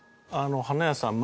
花屋さん